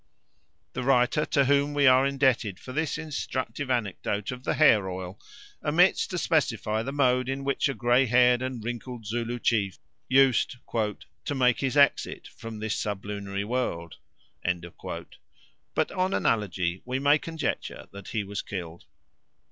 The writer to whom we are indebted for this instructive anecdote of the hair oil omits to specify the mode in which a grey haired and wrinkled Zulu chief used "to make his exit from this sublunary world"; but on analogy we may conjecture that he was killed.